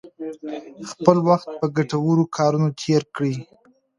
خپل وخت په ګټورو کارونو تیر کړئ.